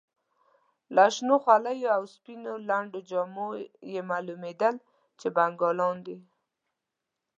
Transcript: له شنو خولیو او سپینو لنډو جامو یې معلومېدل چې بنګالیان دي.